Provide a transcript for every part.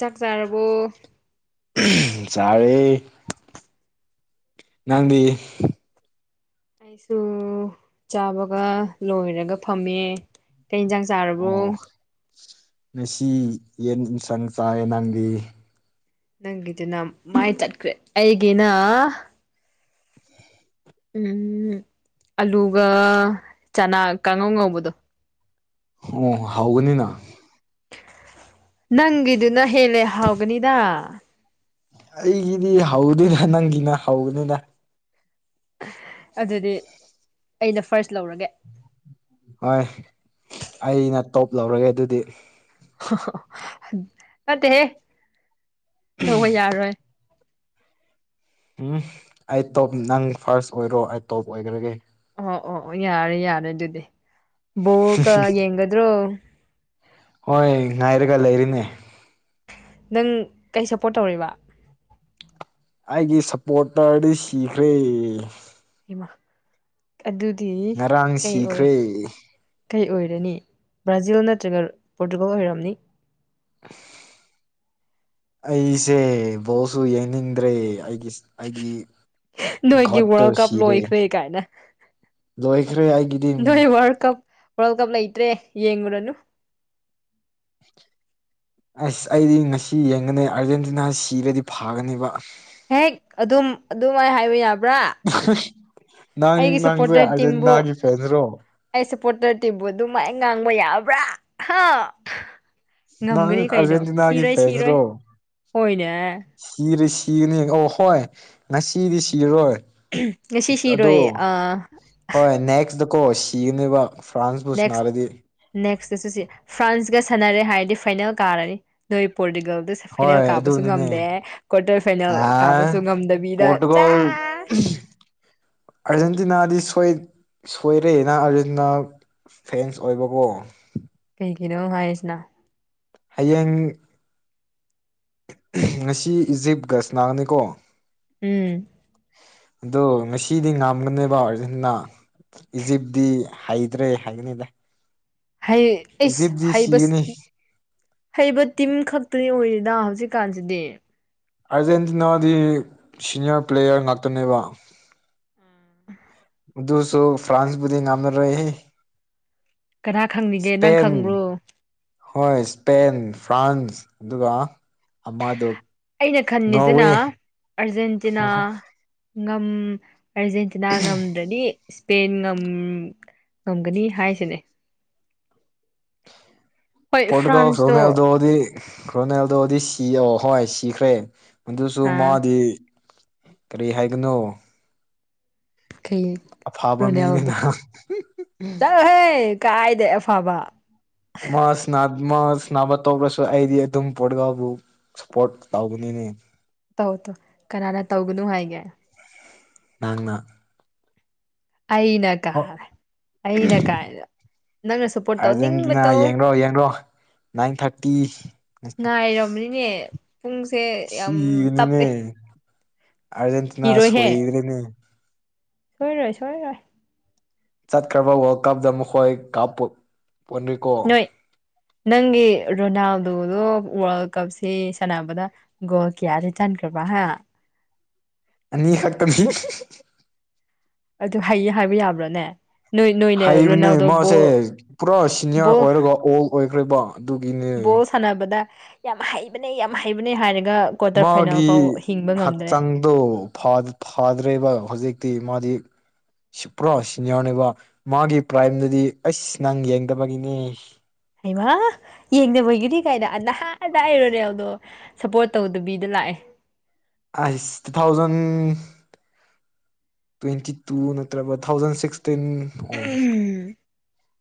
ꯆꯥꯛ ꯆꯥꯔꯕꯣ [unintelligible] ꯆꯥꯔꯦ ꯅꯪꯗꯤ ꯑꯩꯁꯨ ꯆꯥꯕꯒ ꯂꯣꯏꯔꯒ ꯐꯝꯃꯦ꯫ ꯀꯩ ꯏꯟꯖꯥꯡ ꯆꯥꯔꯕꯣ ꯑꯣ ꯉꯁꯤ ꯌꯦꯟ ꯏꯟꯁꯥꯡ ꯆꯥꯏꯌꯦ ꯅꯪꯗꯤ ꯅꯪꯒꯤꯗꯨꯅ ꯃꯥꯏ ꯇꯠꯈ꯭ꯔꯦ ꯑꯩꯒꯤꯅ ꯎꯝ ꯑꯂꯨꯒ ꯆꯅꯥ ꯀꯥꯡꯉꯧ ꯉꯧꯕꯗꯣ꯫ ꯑꯣ ꯍꯥꯎꯕꯅꯤꯅ꯫ ꯅꯪꯒꯤꯗꯨꯅ ꯍꯦꯜꯂꯦ ꯍꯥꯎꯒꯅꯤꯗ꯫ ꯑꯩꯒꯤꯗꯤ ꯍꯧꯗꯦꯗ ꯅꯪꯒꯤꯅ ꯍꯧꯅꯤꯅ꯫ ꯑꯗꯨꯗꯤ ꯑꯩꯅ ꯐꯥꯔ꯭ꯁ ꯂꯧꯔꯒꯦ꯫ ꯍꯣꯏ ꯑꯩꯅ ꯇꯣꯞ ꯂꯧꯔꯒꯦ ꯑꯗꯨꯗꯤ꯫ ꯑꯣ ꯅꯠꯇꯦꯍꯦ ꯂꯧꯕ ꯌꯥꯔꯣꯏ꯫ ꯎꯝ ꯑꯩ ꯇꯣꯞ ꯅꯪ ꯐꯥꯔ꯭ꯁ ꯑꯣꯏꯔꯣ ꯑꯩ ꯇꯣꯞ ꯑꯣꯏꯒ꯭ꯔꯒꯦ꯫ ꯑꯣ ꯑꯣ ꯑꯣ ꯌꯥꯔꯦ ꯌꯥꯔꯦ ꯑꯗꯨꯗꯤ ꯕꯣꯜꯀ ꯌꯦꯡꯒꯗ꯭ꯔꯣ꯫ ꯍꯣꯏ ꯉꯥꯏꯔꯒ ꯂꯩꯔꯦꯅꯦ꯫ ꯅꯪ ꯀꯩ ꯁꯞꯄꯣꯔꯠ ꯇꯧꯔꯤꯕ꯫ ꯑꯩꯒꯤ ꯁꯞꯄꯣꯇꯔꯗꯤ ꯁꯤꯈ꯭ꯔꯦ ꯏꯃꯥ ꯑꯗꯨꯗꯤ ꯉꯔꯥꯡ ꯀꯩ ꯑꯣꯏ ꯁꯤꯈ꯭ꯔꯦ ꯀꯩ ꯑꯣꯏꯔꯅꯤ ꯕ꯭ꯔꯥꯖꯤꯜ ꯅꯠꯇ꯭ꯔꯒ ꯄꯣꯔꯇꯨꯒꯜ ꯑꯣꯏꯔꯝꯅꯤ ꯑ ꯑꯩꯁꯦ ꯕꯣꯠꯁꯨ ꯌꯦꯡꯅꯤꯡꯗ꯭ꯔꯦ ꯑꯩꯒꯤꯁ ꯑꯩꯒꯤ ꯅꯣꯏꯒꯤ ꯒꯣꯠꯇꯣ ꯋꯥꯔꯜ ꯀꯞ ꯁꯤꯔꯦ ꯂꯣꯏꯈ꯭ꯔꯦ ꯂꯣꯏꯈ꯭ꯔꯦ ꯑꯩꯒꯤ ꯅꯣ ꯋꯥꯔꯜ ꯀꯞ ꯋꯥꯔꯜ ꯀꯞ ꯂ ꯏꯇ꯭ꯔꯦ ꯌꯦꯡꯨꯔꯅ ꯑꯁ ꯑꯩꯗꯤ ꯉꯁꯤ ꯌꯦꯡꯒꯅꯤ ꯑꯥꯔꯖꯦꯟꯇꯤꯅꯥ ꯁꯤꯔꯗꯤ ꯐꯥꯒꯅꯦꯕ ꯍꯦꯛ ꯑꯗꯨꯝ ꯑꯗꯨꯃꯥꯏ ꯍꯥꯏꯕ ꯌꯥꯕ꯭ꯔ [unintelligible] ꯅꯪ ꯅꯪꯖꯦ ꯇꯤꯝꯕꯨ ꯑꯥꯔꯖꯦꯟꯅꯒꯤ ꯐꯦꯟ [unintelligible] ꯑꯩ ꯁꯞꯄꯣꯇꯔ ꯇꯤꯝꯕꯨ ꯑꯗꯨꯃꯥꯏ ꯉꯥꯡꯕ ꯌꯥꯕ꯭ꯔ ꯍꯥ ꯅꯪ ꯉꯝꯒꯅꯤ ꯀꯩꯅꯣ ꯑꯥꯔꯖꯦꯟꯇꯤꯅꯥꯒꯤ ꯁꯤꯔꯣꯏ ꯁꯤꯔꯣꯏ ꯍꯣꯏꯅꯦ ꯁꯤꯔꯦ ꯁꯤꯔꯅꯤ ꯑ ꯍꯣꯏ ꯉꯁꯤꯗꯤ ꯁꯤꯔꯔꯣꯏ ꯉꯁꯤ ꯁꯤꯔꯣꯏ ꯑ ꯍꯣꯏ ꯅꯦꯛꯁꯇꯀꯣ ꯁꯤꯒꯅꯦꯕ ꯐ꯭ꯔꯥꯟꯁꯄꯨꯁ ꯅꯦꯛꯁ ꯅꯥꯔꯗꯤ ꯅꯦꯛꯁꯇꯁꯨ ꯁꯤ ꯐ꯭ꯔꯥꯟꯁꯀ ꯁꯥꯟꯅꯔꯦ ꯍꯥꯏꯔꯗꯤ ꯐꯥꯏꯅꯦꯜ ꯀꯥꯔꯅꯤ ꯅꯣꯏ ꯄꯣꯔꯇꯨꯒꯜꯗ ꯐꯥꯏꯅꯦꯜ ꯍꯣꯏ ꯀꯥꯕꯁꯨ ꯑꯗꯨꯅꯤꯅꯦ ꯉꯝꯗꯦ ꯀ꯭ꯋꯥꯔꯇꯔ ꯐꯥꯏꯅꯦꯜ ꯑ ꯀꯥꯕꯁꯨ ꯉꯝꯗꯕꯤꯗ ꯄꯣꯔꯇꯨꯒꯜ ꯑꯥꯔꯖꯦꯟꯇꯤꯅꯥꯗꯤ ꯁꯣꯏꯔꯦꯅ ꯑꯥꯔꯖꯦꯟꯇꯤꯅꯥ ꯐꯦꯟꯁ ꯑꯣꯏꯕꯕꯨꯣ ꯀꯩꯒꯤꯅꯣ ꯍꯥꯏꯁꯤꯅ ꯍꯌꯦꯡ ꯉꯁꯤ ꯏꯖꯤꯞ ꯒꯁꯅꯥꯅꯤꯀꯣ ꯎꯝ ꯑꯗꯣ ꯉꯁꯤꯗꯤ ꯉꯝꯒꯅꯦꯕꯁꯤꯟꯅ ꯏꯖꯤꯞꯗꯤ ꯍꯩꯗ꯭ꯔꯦ ꯍꯥꯏꯒꯅꯤꯗ ꯑꯩꯁ ꯏꯖꯤꯞꯇꯤ ꯍꯥꯏꯕ ꯁꯤꯒꯅꯤ ꯍꯩꯕ ꯇꯤꯝ ꯈꯛꯇꯅꯤ ꯑꯣꯏꯔꯤꯗ ꯍꯧꯖꯤꯛꯀꯥꯟꯁꯤꯗꯤ ꯑꯥꯔꯖꯦꯟꯇꯤꯅꯥꯗꯤ ꯁꯤꯅꯤꯌꯔ ꯄ꯭ꯂꯦꯌꯔ ꯉꯥꯛꯇꯅꯦꯕ ꯗꯨ ꯁ ꯐ꯭ꯔꯥꯟꯁꯕꯨꯗꯤ ꯅꯝ ꯔꯦ ꯀꯅꯥ ꯈꯪꯅꯤꯒꯦ ꯅꯪ ꯁꯄꯦꯟ ꯈꯪꯕ꯭ꯔꯣ ꯍꯣꯏ ꯏꯁꯄꯦꯟ ꯐ꯭ꯔꯥꯟꯁ ꯑꯗꯨꯒ ꯑꯃꯗꯨ ꯑꯩꯅ ꯈꯟꯉꯤꯁꯤꯅ ꯑꯔꯖꯦꯟꯇꯤꯅꯥ ꯉꯝ ꯑꯔꯖꯦꯟꯇꯤꯅꯥ ꯉꯝꯗ꯭ꯔꯅꯤ ꯁꯄꯦꯟ ꯉꯝꯒꯅꯤ ꯍꯥꯏꯁꯤꯅꯦ ꯍꯣꯏ ꯄꯣꯠꯒ ꯐ꯭ꯔꯥꯟꯁꯇꯣ ꯁꯣꯅꯗꯣꯗꯤ ꯔ꯭ꯔꯣꯅꯦꯜꯗꯣꯗꯤ ꯁꯤꯌꯑꯣ ꯍꯣꯏ ꯁꯤꯈ꯭ꯔꯦ ꯑꯗꯨꯁꯨ ꯑ ꯃꯥꯗꯤ ꯀꯔꯤ ꯍꯥꯏꯒꯅꯣ ꯍꯌꯦꯡ ꯑꯐꯕ ꯔꯣꯅꯦꯜꯗꯣ ꯃꯤꯅꯤꯅ ꯆꯠꯂꯣꯍꯦ ꯀꯥꯏꯗ ꯑꯐꯕ ꯃꯥꯁ ꯃꯥꯁ ꯅꯥꯕ ꯇꯧꯈ꯭ꯔꯁꯨ ꯑꯩꯗꯤ ꯑꯗꯨꯝ ꯄꯣꯠꯒꯕꯨ ꯁꯞꯄꯣꯔꯠ ꯇꯧꯧꯕꯅꯤꯅꯦ ꯇꯧ ꯇꯣ ꯀꯅꯥꯅ ꯇꯧꯒꯅꯨ ꯍꯥꯏꯒꯦ ꯅꯪꯅ ꯑꯩꯅ ꯀꯥꯏꯦ ꯑꯩꯅ ꯀꯥꯏꯗ ꯑꯔꯖꯦꯟꯇꯤꯅꯥ ꯌꯦꯡ꯭ꯔꯣ ꯌꯦꯡ꯭ꯔꯣ ꯅꯥꯏꯟ ꯊꯥꯔꯇꯤ ꯉꯥꯏꯔꯕꯅꯤꯅꯦ ꯄꯨꯡꯁꯦ ꯌꯥꯝ ꯁꯤꯅꯤꯅꯦ ꯇꯞꯄꯦ ꯑꯔꯖꯦꯟꯦꯟꯇꯤꯅꯥ ꯁꯤꯔꯣꯏꯍꯦ ꯁꯣꯏꯗꯔꯦꯅꯦ ꯁꯣꯏꯔꯣꯏ ꯁꯣꯏꯔꯔꯣꯏ ꯆꯠꯈ꯭ꯔꯕ ꯋꯥꯔꯜ ꯀꯞꯇ ꯃꯈꯣꯏ ꯀꯥꯞ ꯅꯣꯏ ꯅꯪꯒꯤ ꯔꯣꯅꯥꯜꯗꯣꯗꯣ ꯋꯥꯔꯜ ꯀꯞꯁꯤ ꯁꯥꯟꯅꯕꯗ ꯒꯣ ꯀꯦꯌꯥ ꯔꯤꯇꯔꯟꯈꯕ ꯍꯥ ꯑꯅꯤꯈꯛꯇꯅꯤ ꯑꯗꯨ ꯍꯌꯦ ꯍꯥꯏꯕ ꯌꯥꯕ꯭ꯔꯣꯅꯦ ꯍꯩꯕꯅꯦ ꯃꯥꯁꯦ ꯄꯨꯔꯥ ꯁꯤꯅꯤꯌꯔ ꯕꯣꯜ ꯑꯣꯏꯔꯒ ꯑꯣꯜ ꯑꯣꯏꯈ꯭ꯔꯦꯕ ꯑꯗꯨꯒꯤꯅꯦ ꯕꯣꯜ ꯁꯥꯟꯅꯕꯗ ꯌꯥꯝ ꯍꯩꯕꯅꯦ ꯌꯥꯝ ꯍꯩꯕꯅꯦ ꯍꯥꯏꯔꯒ ꯀ꯭ꯋꯥꯇꯔ ꯐꯥꯏꯅꯦꯜ ꯐꯥꯎ ꯍꯤꯡꯕ ꯉꯝꯗ꯭ꯔꯦ ꯑꯣ ꯐꯥꯗ꯭ꯔꯦꯕ ꯍꯧꯖꯤꯛꯇꯤ ꯃꯥꯗꯤ ꯁꯤ ꯄꯨꯔꯥ ꯁꯤꯅꯤꯌꯔꯅꯦꯕ ꯃꯥꯒꯤ ꯄ꯭ꯔꯥꯏꯝꯗꯨꯗꯤ ꯑꯩꯁ ꯅꯪ ꯌꯦꯡꯗꯕꯒꯤꯅꯦ ꯍꯩꯃ ꯌꯦꯡꯅꯕꯒꯤꯗꯤ ꯀꯥꯏꯅ ꯅꯍꯥꯟꯗ ꯑꯩꯔꯣꯅꯦꯦꯜꯗꯣ ꯁꯞꯄꯣꯔꯠ ꯇꯧꯗꯕꯤꯗ ꯂꯥꯛꯑꯦ ꯑ ꯁꯤ ꯇꯨ ꯊꯥꯎꯖꯟ ꯇ꯭ꯋꯦꯟꯇꯤ ꯇꯨ ꯅꯠꯇ꯭ꯔꯒ ꯊꯥꯎꯖꯟ ꯁꯤꯛꯁꯇꯤꯟ ꯑꯣ ꯎꯝ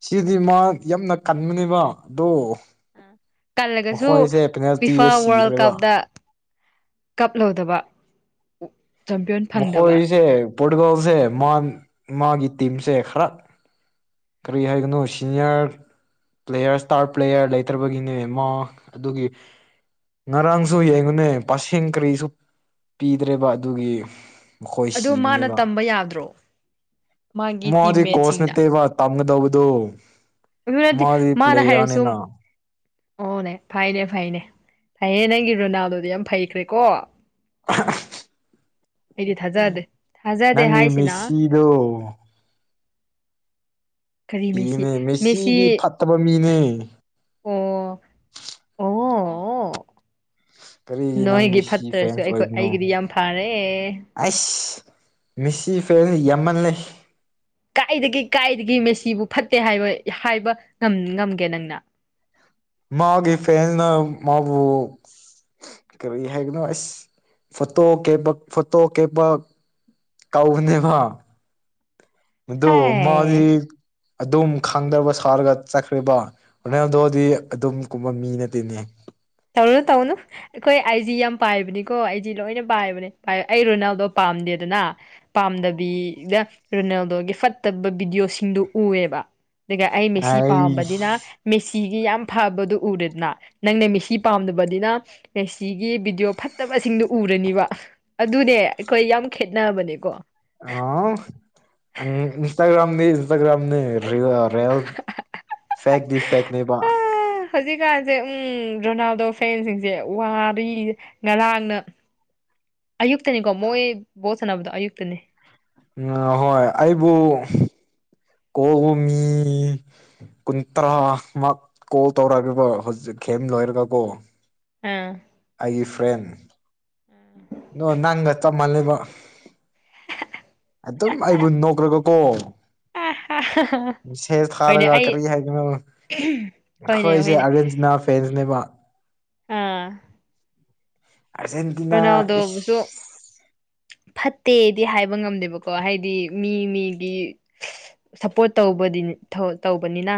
ꯁꯤꯗꯤ ꯃꯥ ꯌꯥꯝꯅ ꯀꯟꯕꯅꯦꯕ ꯑꯗꯣ ꯑ ꯀꯜꯂꯒꯁꯨ ꯃꯈꯣꯏꯁꯦ ꯐꯤꯐꯥ ꯄꯦꯅꯥꯜꯇꯤꯗ ꯋꯥꯔꯜ ꯁꯤꯈ꯭ꯔꯦꯕ ꯀꯞꯇ ꯀꯞꯂꯧꯗꯕ ꯃꯈꯣꯏꯁꯦ ꯄꯣꯔꯇꯨꯒꯥꯜꯁꯦ ꯃꯥꯒꯤ ꯇꯤꯝꯁꯦ ꯈꯔ ꯀꯔꯤ ꯍꯥꯏꯒꯅꯣ ꯁꯤꯅꯤꯌꯥꯔ ꯄ꯭ꯂꯦꯌꯔ ꯏꯁꯇꯥꯔ ꯄ꯭ꯂꯦꯌꯔ ꯂꯩꯇ꯭ꯔꯕꯒꯤꯅꯦ ꯃꯥ ꯑꯗꯨꯒꯤ ꯉꯔꯥꯡꯁꯨ ꯌꯦꯡꯉꯨꯅꯦ ꯄꯁꯦꯡ ꯀꯔꯤꯁꯨ ꯄꯤꯗ꯭ꯔꯦꯕ ꯑꯗꯨꯒꯤ ꯃꯈꯣꯏ ꯑꯗꯣ ꯃꯥꯅ ꯁꯤꯕꯅꯦꯕ ꯇꯝꯕ ꯌꯥꯗ꯭ꯔꯣ ꯃꯥꯒꯤ ꯃꯣꯗꯤ ꯀꯣꯁ ꯇꯤꯝꯃꯦꯠꯁꯤꯡꯗ ꯅꯠꯇꯦꯕ ꯄꯝꯒꯗꯧꯕꯗꯨꯣ ꯑꯗꯨꯅꯗꯤ ꯃꯥꯅ ꯍꯥꯏꯔꯤꯁꯨ ꯑꯣꯅꯦ ꯐꯩꯅꯦ ꯐꯩꯅꯦ ꯐꯩꯌꯦ ꯅꯪꯒꯤ ꯔꯣꯅꯥꯜꯗꯣꯗꯤ ꯌꯥꯝ ꯐꯩꯈ꯭ꯔꯦꯀꯣ ꯑꯩꯗꯤ ꯊꯥꯖꯗꯦ ꯊꯥꯖꯗꯦ ꯅꯪꯒꯤ ꯍꯥꯏꯁꯤꯅ ꯃꯦꯁꯤꯗꯣ ꯀꯔꯤ ꯃꯦꯁꯤ ꯏꯅꯦ ꯃꯦꯁꯤ ꯃꯦꯁꯤꯗꯤ ꯐꯠꯇꯕ ꯃꯤꯅꯦ ꯑꯣ ꯑꯣ ꯀꯔꯤꯒꯤ ꯅꯪ ꯅꯣꯏꯒꯤ ꯃꯦꯁꯤ ꯐꯠꯇ꯭ꯔꯁꯨ ꯐꯦꯟꯁ ꯑꯩꯈꯣꯏ ꯑꯣꯏꯕꯅꯣ ꯑꯩꯒꯤꯗꯤ ꯌꯥꯝ ꯐꯔꯦ ꯑꯩꯁ ꯃꯤꯁꯤ ꯐꯦꯟ ꯌꯥꯝꯃꯜꯂ ꯀꯥꯏꯗꯒꯤ ꯀꯥꯏꯗꯒꯤ ꯃꯦꯁꯤꯕꯨ ꯐꯠꯇꯦ ꯍꯥꯏꯕ ꯍꯥꯏꯕ ꯉꯝꯒꯦ ꯅꯪꯅ ꯃꯥꯒꯤ ꯐꯦꯟꯦꯟꯅ ꯃꯥꯕꯨ ꯀꯔꯤ ꯍꯥꯏꯒꯅꯣ ꯑꯁ ꯐꯣꯇꯣ ꯀꯦꯕ ꯐꯣꯇꯣ ꯀꯦꯕꯛ ꯇꯧꯕꯅꯦꯕ ꯑꯗꯨ ꯃꯥꯗꯤ ꯍꯥꯏ ꯑꯗꯨꯝ ꯈꯪꯗꯕ ꯁꯥꯔꯒ ꯆꯠꯈ꯭ꯔꯦꯔꯤꯕ ꯍꯣꯔꯣꯟꯗꯣꯗꯤ ꯑꯗꯨꯝ ꯀꯨꯝꯕ ꯃꯤ ꯅꯠꯇꯦꯅꯦ ꯇꯧꯅ ꯇꯧꯅ ꯑꯩꯈꯣꯏ ꯑꯩꯁꯤ ꯌꯥꯝ ꯄꯥꯏꯕꯅꯤꯀꯣ ꯑꯩꯗꯤ ꯂꯣꯏꯅ ꯄꯥꯏꯕꯅꯦ ꯑꯩ ꯔꯣꯅꯥꯜꯗꯣ ꯄꯥꯝꯗꯦꯗꯅ ꯄꯥꯝꯗꯕꯤꯗ ꯔꯣꯅꯥꯜꯗꯣꯒꯤ ꯐꯠꯇꯕ ꯚꯤꯗꯤꯑꯣꯁꯤꯡꯗꯨ ꯎꯑꯦꯕ ꯑꯗꯨꯒ ꯑꯩ ꯃꯦꯁꯤ ꯑꯩꯁ ꯄꯥꯝꯕꯅꯤꯅ ꯃꯦꯁꯤꯤꯒꯤ ꯌꯥꯝ ꯐꯕꯗꯨꯣ ꯎꯔꯦꯗꯅ ꯅꯪꯅ ꯃꯦꯁꯤ ꯄꯥꯝꯗꯕꯅꯤꯅ ꯉꯦꯁꯤꯒꯤ ꯚꯤꯗꯤꯑꯣ ꯐꯠꯇꯕꯁꯤꯡꯗꯨꯣ ꯎꯔꯅꯤꯕ ꯑꯗꯨꯅꯦ ꯑꯩꯈꯣꯏ ꯌꯥꯝ ꯈꯦꯠꯅꯕꯅꯦꯀꯣ ꯑ ꯏꯟꯁꯇꯒ꯭ꯔꯥꯝꯗꯤ ꯟꯒ꯭ꯔꯝ ꯐ ꯐꯅꯦꯕ ꯍꯧꯖꯤꯛꯀꯥꯟꯁꯦ ꯎꯝ ꯔꯣꯅꯥꯜꯗꯣ ꯐꯦꯟꯁꯤꯡꯁꯦ ꯋꯥꯔꯤ ꯉꯔꯥꯡꯅ ꯑꯌꯨꯛꯇꯅꯤꯀꯣ ꯃꯣꯏ ꯕꯣꯠ ꯁꯥꯟꯅꯕꯗꯣ ꯑꯌꯨꯛꯇꯅꯤ ꯎ ꯍꯣꯏ ꯑꯩꯕꯨ ꯀꯧꯃꯤ ꯀꯨꯟ ꯇꯔꯥꯃ ꯀꯣꯜ ꯇꯧꯔꯛꯒꯦꯕ ꯍꯧꯖꯤꯛ ꯈꯦꯝ ꯂꯣꯏꯔꯒ ꯀꯣ ꯑꯥ ꯑꯩꯒꯤ ꯐ꯭ꯔꯦꯟ ꯎꯝ ꯅꯣ ꯅꯪꯒ ꯆꯝꯃꯜꯂꯦꯕ ꯑꯗꯨꯝ ꯑꯩꯕꯨ ꯅꯣꯛꯈ꯭ꯔꯒꯀꯣ ꯁꯦꯠ ꯊꯥ ꯍꯣꯏꯅꯦ ꯂꯒ ꯑꯩ ꯀꯔꯤ ꯍꯥꯏꯗꯤꯅ ꯍꯣꯏꯅꯦ ꯑꯩꯈꯣꯏꯁꯦ ꯍꯣꯏꯅꯦ ꯑꯥꯔꯖꯦꯟꯇꯤꯅꯥ ꯐ꯭ꯔꯦꯟꯁꯅꯦꯕ ꯑꯥ ꯑꯥꯔꯖꯦꯟꯇꯤꯅꯥ ꯏꯁ ꯀꯅꯥꯎꯗꯕꯨꯁꯨ ꯐꯠꯇꯦꯗꯤ ꯍꯥꯏꯕ ꯉꯝꯗꯦꯕꯀꯣ ꯍꯥꯏꯗꯤ ꯃꯤ ꯃꯤꯒꯤ ꯁꯞꯄꯣꯔꯠ ꯇꯧꯕ ꯇꯧꯕꯅꯤꯅ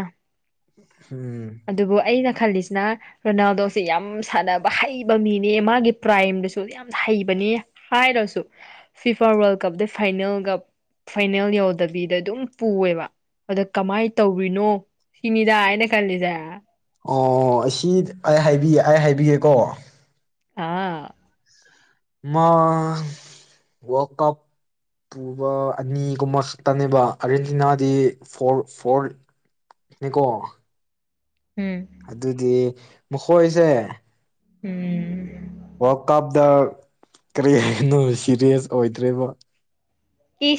ꯍꯝ ꯑꯗꯨꯕꯨ ꯑꯩꯅ ꯈꯜꯂꯤꯁꯤꯅ ꯔꯣꯅꯥꯜꯗꯣꯁꯦ ꯌꯥꯝ ꯁꯥꯟꯅꯕ ꯍꯩꯕ ꯃꯤꯅꯦ ꯃꯥꯒꯤ ꯄ꯭ꯔꯥꯏꯝꯗꯨꯁꯨ ꯌꯥꯝ ꯍꯩꯕꯅꯦ ꯍꯥꯏꯔꯣꯁꯨ FIFA World Cup the final cup final ꯌꯧꯗꯕꯤꯗ ꯑꯗꯨꯝ ꯄꯨꯑꯕ ꯑꯗ ꯀꯃꯥꯏ ꯇꯧꯔꯤꯅꯣ ꯁꯤꯤꯟꯗ ꯍꯥꯏꯅ ꯀꯜꯗ ꯑꯣ ꯑꯁꯤ ꯑꯩ ꯍꯥꯏꯕꯤꯌꯦꯦ ꯑꯩ ꯍꯥꯏꯕꯤꯒꯦꯀꯣ ꯑꯥ ꯃ ꯀꯞ ꯄꯨꯕ ꯑꯅꯤꯒꯨꯝꯕ ꯈꯛꯇꯅꯦꯕ ꯑꯥꯔꯖꯦꯟꯇꯤꯅꯥꯗꯤ ꯐꯣꯔ ꯐꯣꯔ ꯅꯀꯣ ꯎꯝ ꯑꯗꯨꯗꯤ ꯃꯈꯣꯏꯁꯦ ꯎꯝ ꯋꯥꯔꯜ ꯀꯞꯇ ꯀꯔꯤ ꯍꯥꯏꯅꯣ ꯁꯤꯦꯔꯤꯌꯁ ꯑꯣꯏꯗ꯭ꯔꯦꯕ ꯏ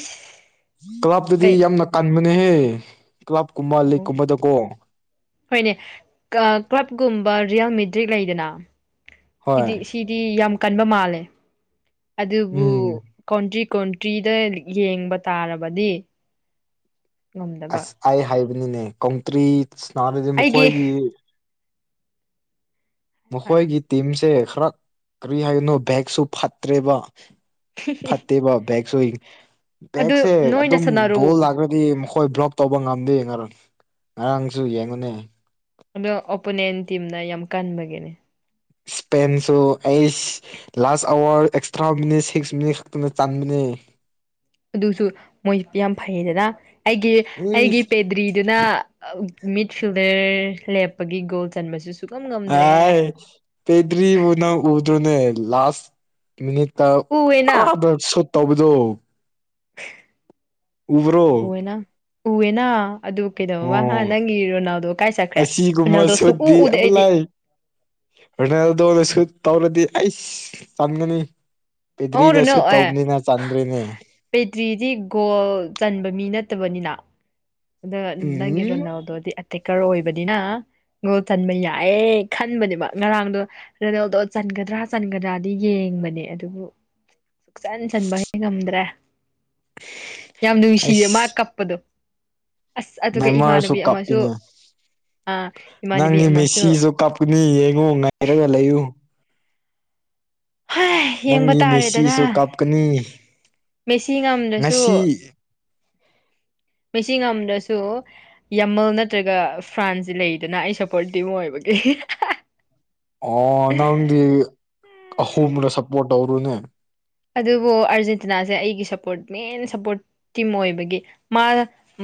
ꯀ꯭ꯂꯕꯇꯗꯤ ꯌꯥꯝꯅ ꯀꯟꯕꯅꯦꯍꯦ ꯀ꯭ꯂꯕꯀꯨꯝꯕ ꯂꯤꯛꯀꯨꯝꯕꯗꯀꯣ ꯍꯣꯏꯅꯦ ꯀ꯭ꯂꯕꯀꯨꯝꯕ ꯔꯤꯌꯦꯜ ꯃꯦꯗ꯭ꯔꯤꯛ ꯂꯩꯗꯅ ꯍꯣꯏ ꯁꯤꯗꯤ ꯁꯤꯗꯤ ꯌꯥꯝ ꯀꯟꯕ ꯃꯥꯜꯂꯦ ꯑꯗꯨꯕꯨ ꯎꯝ ꯀꯣꯟꯇ꯭ꯔꯤ ꯀꯣꯟꯇ꯭ꯔꯤꯗ ꯌꯦꯡꯕ ꯇꯥꯔꯕꯗꯤ ꯉꯝꯗꯕ ꯑꯁ ꯑꯩ ꯍꯥꯏꯕꯅꯤꯅꯦ ꯀꯥꯎꯇ꯭ꯔꯤꯅꯥꯔꯗꯤ ꯑꯩꯒꯤ ꯃꯈꯣꯏꯒꯤ ꯃꯈꯣꯏꯒꯤ ꯇꯤꯝꯁꯦ ꯈꯔ ꯀꯔꯤ ꯍꯥꯏꯒꯅꯣ ꯕꯦꯛꯁꯨ ꯐꯠꯇ꯭ꯔꯦꯕ ꯐꯠꯇꯦꯕ ꯕꯦꯦꯛꯁꯨ ꯑꯗꯨ ꯕꯦꯛꯁꯦ ꯅꯣꯏꯅ ꯑꯗꯨꯝ ꯁꯥꯟꯅꯔꯣ ꯕꯣꯜ ꯂꯥꯛ꯭ꯔ ꯗꯤ ꯃꯈꯣꯏ ꯕ꯭ꯂꯣꯛ ꯇꯧꯕ ꯉꯝꯗꯦ ꯉꯔꯥꯡꯁꯨ ꯌꯦꯡꯉꯨꯅꯦ ꯑꯗ ꯑꯣꯄꯣꯅꯦꯟ ꯇꯤꯝꯅ ꯌꯥꯝ ꯀꯟꯕꯒꯤꯅꯦ ꯁꯄꯦꯦꯟꯁꯨ ꯑꯩꯁ ꯂꯥꯁ ꯑꯋꯥꯔ ꯑꯦꯁꯇ꯭ꯔꯥꯁꯠ ꯆꯥꯟꯃꯤ ꯑꯗꯨꯁꯨ ꯃꯣꯏ ꯌꯥꯝ ꯐꯩꯌꯦꯗꯅ ꯑꯩꯒꯤ ꯑꯩꯒꯤ ꯏꯁ ꯄꯦꯗ꯭ꯔꯤꯗꯨꯅ ꯃꯤꯗ ꯐꯤꯜꯗꯔ ꯂꯦꯞꯄꯒꯤ ꯒꯣꯜ ꯆꯟꯕꯁꯨ ꯁꯨꯛꯉꯝ ꯑ ꯉꯝꯗ꯭ꯔꯦ ꯄꯩꯗ꯭ꯔꯤꯕꯨꯅ ꯎꯗꯨ꯭ꯔꯣꯅꯦ ꯂꯥꯁ ꯃꯤꯅꯤꯠꯇ ꯎꯋꯦꯅ ꯑ ꯁꯣ ꯇꯧꯕꯗꯣ ꯎꯕ꯭ꯔꯣ ꯎꯦꯅ ꯎꯦꯅ ꯑꯗꯨ ꯀꯩꯗꯧꯕ ꯑꯣ ꯅꯪꯒꯤ ꯔꯣꯅꯥꯜꯗꯣ ꯀꯥꯏ ꯆꯠꯈ꯭ꯔꯦ ꯑꯁꯤꯒꯨꯝꯕ ꯔꯣꯅꯥꯜꯗꯣꯁꯨ ꯎ ꯎꯗꯦ ꯑꯩꯗꯤ ꯔꯔꯅꯦꯜꯗꯣꯅꯁꯨ ꯇꯧꯔꯗꯤ ꯑꯩꯁ ꯆꯟꯒꯅꯤ ꯄꯦꯗ꯭ꯔꯤꯗꯁꯨ ꯇꯧꯕꯅꯤꯅ ꯆꯥꯟꯗ꯭ꯔꯤꯅꯦ ꯄꯦꯇ꯭ꯔꯤꯗꯤ ꯒꯣꯜ ꯆꯟꯕ ꯃꯤ ꯅꯠꯇꯕꯅꯤꯅ ꯑꯗ ꯅꯪꯒꯤ ꯎꯝ ꯔꯣꯅꯥꯜꯗꯣꯗꯤ ꯑꯦꯇꯦꯛꯀꯔ ꯑꯣꯏꯕꯅꯤꯅ ꯒꯣꯜ ꯆꯟꯕ ꯌꯥꯏꯑꯌꯦ ꯈꯟꯕꯅꯦꯕ ꯉꯔꯥꯡꯗꯣ ꯔꯣꯅꯦꯜꯗꯣ ꯆꯟꯒꯗ꯭ꯔꯥ ꯆꯟꯒꯗ꯭ꯔꯥꯗꯤ ꯌꯦꯡꯕꯅꯦ ꯑꯗꯨꯕꯨ ꯁꯨꯡꯆꯟ ꯁꯟꯕ ꯉꯝꯗ꯭ꯔꯦ ꯌꯥꯝ ꯅꯨꯡꯁꯤꯌꯦ ꯃꯥ ꯀꯞꯄꯗꯣ ꯑꯁ ꯑꯗꯨꯒ ꯃꯥꯏꯃꯔꯁꯨ ꯏꯃꯥꯟꯅꯕꯤ ꯑꯃꯁꯨ ꯀꯥꯞꯄꯤꯅꯦ ꯑꯥ ꯏꯃꯥꯟꯅꯕꯤ ꯅꯪꯒꯤ ꯑꯃꯁꯨ ꯃꯦꯁꯤꯁꯨ ꯀꯞ ꯀꯨꯅꯤ ꯌꯦꯏꯉꯣ ꯉꯏꯔꯒ ꯂꯩꯌꯨ ꯍꯥꯏ ꯌꯦꯡꯕ ꯅꯪꯒꯤ ꯇꯥꯔꯦꯗꯅ ꯃꯦꯁꯤꯁꯨ ꯀꯥꯞꯀꯅꯤ ꯃꯦꯁꯤ ꯉꯝꯗ꯭ꯔꯁꯨ ꯉꯁꯤ ꯃꯦꯁꯤ ꯉꯝꯗꯔꯁꯨ ꯌꯥꯃꯜ ꯅꯠꯇ꯭ꯔꯒ ꯐ꯭ꯔꯥꯟꯁꯦ ꯂꯩꯗꯅ ꯑꯩ ꯁꯞꯄꯣꯔ ꯇꯤꯝ ꯑꯣꯏꯕꯒꯤ ꯑꯣ ꯅꯪꯗꯤ ꯑꯍꯨꯝꯗ ꯁꯞꯄꯣꯔꯠ ꯇꯧꯔꯨꯅꯦ ꯑꯗꯨꯕꯨ ꯑꯥꯔꯖꯦꯟꯇꯤꯅꯥꯁꯦ ꯑꯩꯒꯤ ꯁꯞꯄꯣꯔꯠ ꯃꯦꯟ ꯁꯞꯄꯣꯔꯠ ꯇꯤꯝ ꯑꯣꯏꯕꯒꯤ ꯃꯥ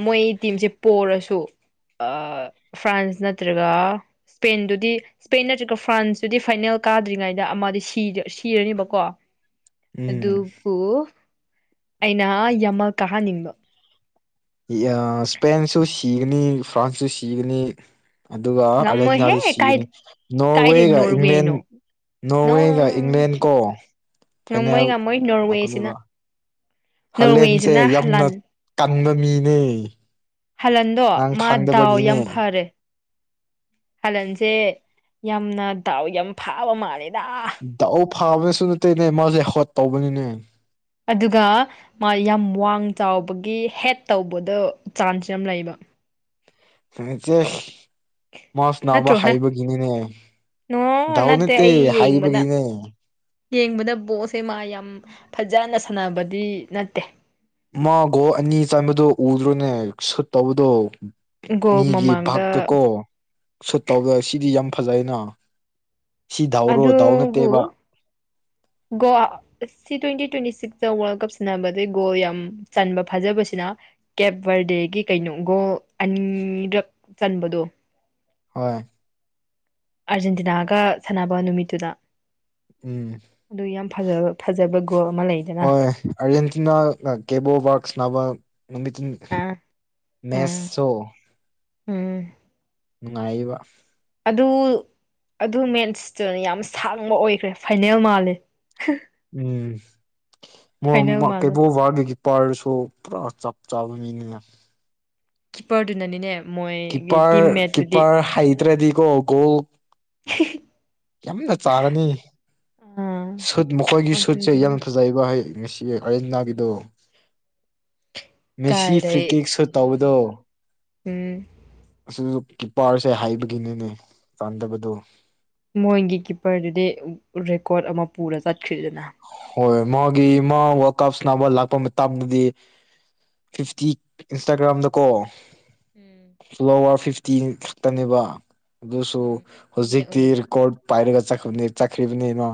ꯃꯣꯏ ꯇꯤꯝꯁꯦ ꯄꯣꯔꯁꯨ ꯐ꯭ꯔꯥꯟꯁ ꯅꯠꯇ꯭ꯔꯒ ꯁꯄꯦꯟꯗꯨꯗꯤ ꯏꯁꯄꯦꯟ ꯅꯠꯇ꯭ꯔꯒ ꯐ꯭ꯔꯥꯟꯁꯇꯨꯗꯤ ꯐꯥꯏꯅꯦꯜ ꯀꯥꯗ꯭ꯔꯤꯉꯩꯗ ꯑꯃꯗꯤ ꯁꯤꯔꯅꯤꯕꯀꯣ ꯎꯝ ꯑꯗꯨꯕꯨ ꯑꯩꯅ ꯌꯥꯝꯃ ꯀꯥꯍꯟꯅꯤꯡꯕ ꯏꯁꯄꯦꯟꯁꯨ ꯁꯤꯒꯅꯤ ꯐ꯭ꯔꯥꯟꯁꯁꯨ ꯁꯤꯒꯅꯤ ꯑꯗꯨꯒ ꯉꯝꯃꯣꯏꯍꯦ ꯑꯔꯖꯦꯟꯇꯤꯅꯥꯗ ꯀꯥꯏ ꯁꯤꯅꯤ ꯀꯥꯏꯗꯩ ꯅꯣꯔꯋꯦꯒ ꯏꯪꯂꯦꯟ ꯅꯣꯔꯋꯦꯅꯣ ꯅꯣ ꯅꯣꯔꯋꯦꯒ ꯏꯪꯂꯦꯟ ꯀꯣ ꯉꯝꯃꯣꯏ ꯐꯥꯏꯅꯦꯜ ꯉꯝꯃꯣꯏ ꯅꯣꯔꯋꯦꯁꯤꯅ ꯂꯥꯛꯀꯅꯦꯕ ꯍꯥꯂꯦꯟꯁꯦ ꯅꯣꯔꯋꯦꯁꯤꯅ ꯌꯥꯝꯅ ꯍꯂꯟ ꯀꯟꯕ ꯃꯤꯅꯦ ꯍꯜꯂꯟꯗꯣ ꯅꯪ ꯃꯥ ꯗꯥꯎ ꯌꯥꯝ ꯈꯪꯗꯕꯒꯤꯅꯦ ꯐꯔꯦ ꯍꯂꯟꯁꯦ ꯌꯥꯝꯅ ꯗꯥꯎ ꯌꯥꯝ ꯐꯥꯕ ꯃꯥꯜꯂꯦ ꯗꯎ ꯐꯥꯕꯅꯁꯨ ꯅꯠꯇꯦꯅꯦ ꯃꯥꯁꯦ ꯍꯣꯠ ꯇꯧꯕꯅꯤꯅꯦ ꯑꯗꯨꯒ ꯃꯥ ꯌꯥꯝ ꯋꯥꯡ ꯆꯥꯎꯕꯒꯤ ꯍꯦꯠ ꯇꯧꯕꯗ ꯆꯥꯟꯁ ꯌꯥꯝ ꯂꯩꯕ [unintelligible] ꯃꯥ ꯁꯅꯕ ꯅꯠꯇ꯭ꯔꯣꯍꯦ ꯍꯩꯕ ꯀꯅꯤꯅꯦ ꯅꯣ ꯗꯥꯎ ꯅꯠꯇꯦ ꯑꯩ ꯍꯩꯕ ꯌꯦꯡꯕꯗ ꯍꯩꯕꯒꯤꯅꯦ ꯌꯦꯡꯕꯗ ꯕꯣꯟꯁꯦ ꯃꯥ ꯌꯥꯝ ꯐꯖꯅ ꯁꯥꯟꯅꯕꯗꯤ ꯅꯠꯇꯦ ꯃꯥ ꯒꯣꯟ ꯑꯅꯤ ꯆꯟꯕꯗꯣ ꯎꯗ꯭ꯔꯣꯅꯦ ꯁꯨꯠ ꯇꯧꯕꯗꯣ ꯒꯣꯜ ꯃꯤꯒꯤ ꯃꯃꯥꯡꯗ ꯚꯛꯇ ꯀꯣ ꯁꯨꯠ ꯇꯧꯗ ꯁꯤꯗꯤ ꯌꯥꯝ ꯐꯖꯩꯅ ꯁꯤ ꯗꯥꯎꯔꯣ ꯗꯥꯎ ꯑꯗꯨꯕꯨ ꯅꯠꯇꯦꯕ ꯒꯣ ꯁꯤ ꯇ꯭ꯋꯦꯟꯇꯤ ꯇ꯭ꯋꯦꯟꯇꯤ ꯁꯤꯛꯁꯇ ꯋꯥꯔꯜ ꯀꯞ ꯁꯟꯅꯕꯁꯦ ꯒꯣꯜ ꯌꯥꯝ ꯆꯟꯕ ꯐꯥꯖꯕꯁꯤꯅ ꯀꯦꯞ ꯕꯔꯗꯦꯒꯤ ꯀꯩꯅꯣ ꯒꯣꯟ ꯑꯅꯤꯔꯛ ꯆꯟꯕꯗꯣ ꯍꯣꯏ ꯑꯥꯔꯖꯦꯟꯇꯤꯅꯥꯒ ꯁꯥꯟꯅꯕ ꯅꯨꯃꯤꯠꯇꯨꯗ ꯎꯝ ꯑꯗꯨ ꯌꯥꯝ ꯐꯖꯕ ꯊꯖꯕ ꯒꯣꯟ ꯍꯣꯏ ꯑꯥꯔꯖꯦꯟꯇꯤꯅꯥ ꯀꯦꯕꯣ ꯕꯥꯛꯁ ꯁꯅꯥꯕ ꯅꯨꯃꯤꯠꯇ ꯑꯥ ꯎꯝ ꯃꯦꯟꯁꯣ ꯎꯝ ꯅꯨꯡꯉꯥꯏꯌꯦꯕ ꯑꯗꯨ ꯑꯗꯨ ꯃꯦꯁꯇꯨꯅ ꯌꯥꯝ ꯁꯥꯡꯕ ꯑꯣꯏꯈ꯭ꯔꯦ ꯐꯥꯏꯅꯦꯜ ꯃꯥꯜꯂꯦ ꯎꯝ ꯐꯥꯏꯅꯦꯜ ꯃꯣꯏ ꯃꯥꯜꯂꯦ ꯀꯩꯕꯣ ꯕꯥꯔꯗꯦꯒꯤ ꯄꯔꯁꯨ ꯄꯨꯔꯥ ꯆꯞ ꯆꯥꯕ ꯃꯤꯅꯤꯅ ꯀꯤꯄꯔꯗꯨꯅꯤꯅꯦ ꯀꯤꯞꯄꯔ ꯀꯤꯞꯄꯔ ꯍꯩꯇ꯭ꯔꯗꯤꯀꯣ ꯒꯣꯟ [unintelligible] ꯌꯥꯝꯅ ꯆꯥꯒꯅꯤ ꯑꯥ ꯁꯨꯠ ꯃꯈꯣꯏꯒꯤ ꯁꯨꯠꯁꯦ ꯌꯥꯝ ꯑꯗꯨꯒꯤꯅꯦ ꯐꯖꯩꯌꯦꯕ ꯉꯁꯤ ꯑꯥꯔꯦꯟꯇꯅꯥꯒꯤꯗꯣ ꯃꯦꯁꯤ ꯀꯥꯏꯗꯩ ꯐ꯭ꯔꯤꯀꯦꯛ ꯁꯨꯠ ꯎꯝ ꯇꯧꯕꯗꯣ ꯎꯝ ꯑꯁꯤ ꯀꯤꯄꯔꯁꯦ ꯍꯥꯏꯕꯒꯤꯅꯤꯅꯦ ꯆꯥꯟꯗꯕꯗꯣ ꯃꯣꯏꯒꯤ ꯀꯤꯞꯄꯔꯗꯨꯗꯤ ꯔꯦꯀꯣꯔꯠ ꯑꯃ ꯄꯨꯔ ꯆꯠꯈ꯭ꯔꯤꯗꯅ [unintelligible] ꯐꯤꯐꯇꯤ ꯏꯟꯁꯇꯥꯒ꯭ꯔꯥꯝꯗꯀꯣ ꯎꯝ ꯂꯣꯋꯥꯔ ꯐꯤꯐꯇꯤ ꯈꯛꯇꯅꯦꯕ ꯑꯗꯨꯁꯨ ꯎꯝ ꯎꯏꯌꯦ ꯍꯧꯖꯤꯛꯇꯤ ꯎꯏꯌꯦ ꯔꯦꯀꯣꯔꯠ ꯄꯥꯏꯔꯒꯅꯤ ꯆꯠꯈꯤꯕꯅꯦ ꯆꯠꯈ꯭ꯔꯤꯕꯅꯦ ꯃꯥ